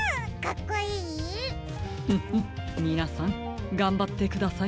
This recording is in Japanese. フフみなさんがんばってください。